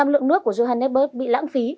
bốn mươi lượng nước của johannesburg bị lãng phí